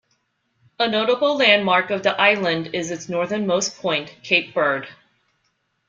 A notable landmark of the island is its northernmost point, Cape Byrd.